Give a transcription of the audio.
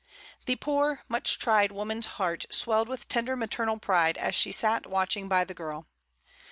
The poor much tried woman's heart swelled with tender maternal pride as she sat watching by the girl.